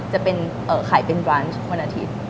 จะเป็นเอ่อขายเป็นบรานช์วันอาทิตย์